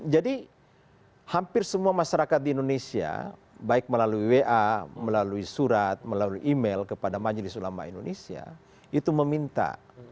jadi hampir semua masyarakat di indonesia baik melalui wa melalui surat melalui email kepada majelis ulama indonesia itu meminta